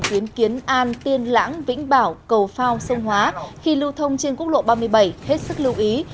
tuyến kiến an tiên lãng vĩnh bảo cầu phao sông hóa khi lưu thông trên quốc lộ ba mươi bảy hết sức lưu ý